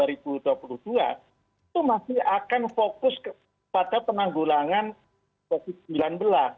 itu masih akan fokus kepada penanggulangan covid sembilan belas